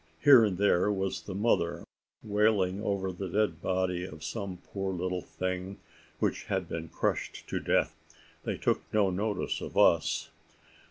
Here and there was the mother wailing over the dead body of some poor little thing which had been crushed to death. They took no notice of us.